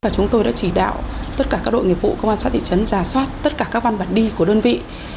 chúng tôi đã chỉ đạo tất cả các đội nghiệp vụ công an xã thị trấn giả soát tất cả các văn bản đi của đơn vị